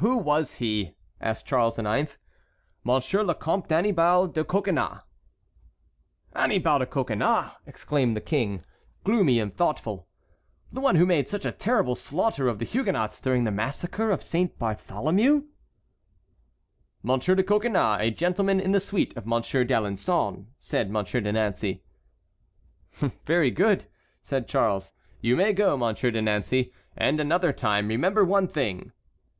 "Who was he?" asked Charles IX. "Monsieur le Comte Annibal de Coconnas." "Annibal de Coconnas!" exclaimed the King, gloomy and thoughtful; "the one who made such a terrible slaughter of the Huguenots during the massacre of Saint Bartholomew?" "Monsieur de Coconnas, a gentleman in the suite of Monsieur d'Alençon," said Monsieur de Nancey. "Very good," said Charles IX. "You may go, Monsieur de Nancey, and another time, remember one thing."